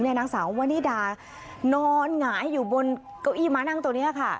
นางสาววนิดานอนหงายอยู่บนเก้าอี้ม้านั่งตัวนี้ค่ะ